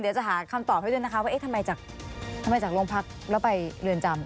เดี๋ยวจะหาคำตอบให้ด้วยนะคะว่าเอ๊ะทำไมจากโรงพักแล้วไปเรือนจำ